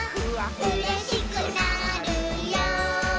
「うれしくなるよ」